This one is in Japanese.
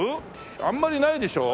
あんまりないでしょ？